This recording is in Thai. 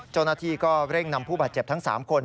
เจ้าหน้าที่ก็เร่งนำผู้บาดเจ็บทั้ง๓คน